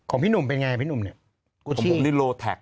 ของพี่หนุ่มเป็นยังไงพี่หนุ่มเนี่ยกูที่ผมมีอ๋อ